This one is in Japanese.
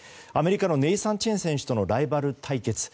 アメリカのネイサン・チェン選手とのライバル対決。